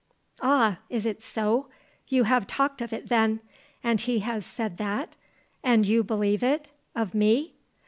"Ah! Is it so? You have talked of it, then? And he has said that? And did you believe it? Of me?"